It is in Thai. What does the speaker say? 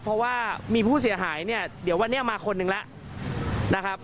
เพราะว่ามีผู้เสียหายเนี่ยเดี๋ยววันนี้มาคนหนึ่งแล้วนะครับ